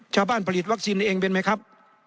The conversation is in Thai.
ชาวบ้านผลิตวัคซีนเองเป็นไหมครับ